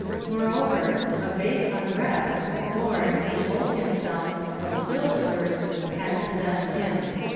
Moreover, a vaguo unrest, born, he told himself, of Philip's words had possessed him.